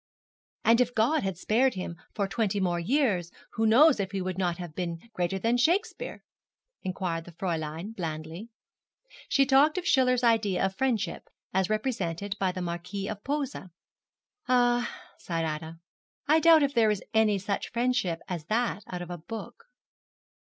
'And if God had spared him for twenty more years, who knows if he would not have been greater than Shakespeare? inquired the Fräulein, blandly. She talked of Schiller's idea of friendship, as represented by the Marquis of Posa. 'Ah,' sighed Ida, 'I doubt if there is any such friendship as that out of a book.'